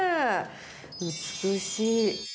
美しい。